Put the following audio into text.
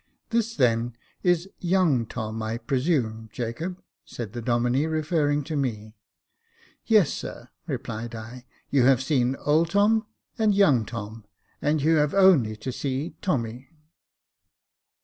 " This, then, is young Tom, I presume, Jacob ?" said the Domine, referring to me. " Yes, sir," replied I. " You have seen old Tom, and young Tom, and you have only to see Tommy."